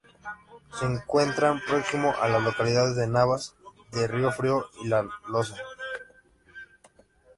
Se encuentra próximo a las localidades de Navas de Riofrío y La Losa.